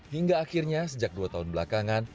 hingga akhirnya sejak dua tahun belakangan